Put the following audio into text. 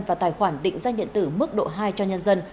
và tài khoản định gia nhận tử mức độ hai cho nhân dân